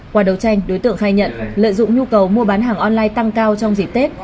qua đấu tranh đối tượng khai nhận lợi dụng nhu cầu mua bán hàng online tăng cao trong dịp tết